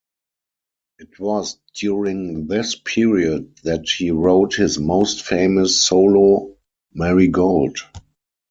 It was during this period that he wrote his most famous solo 'Marigold'.